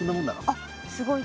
あっすごい。